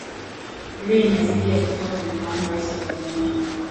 ri inazidi ya kutaka kumfahamu rais wa tanzania